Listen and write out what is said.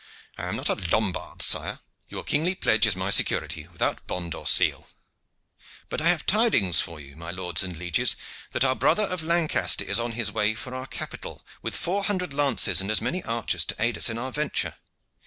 "I am not a Lombard, sire. Your kingly pledge is my security, without bond or seal. But I have tidings for you, my lords and lieges, that our brother of Lancaster is on his way for our capital with four hundred lances and as many archers to aid us in our venture.